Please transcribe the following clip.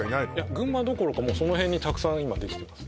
群馬どころかもうその辺にたくさん今できてます